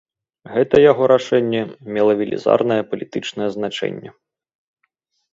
Гэта яго рашэнне мела велізарнае палітычнае значэнне.